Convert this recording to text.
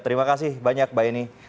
terima kasih banyak mbak eni